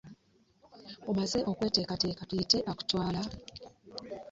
Omaze okweteekateeka tuyite akutwala?